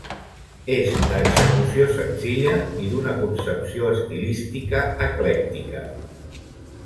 És d'execució senzilla i d'una concepció estilística eclèctica.